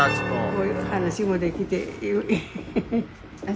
こういう話もできて。